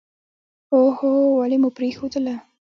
اوهووو ولې مو پرېښودله.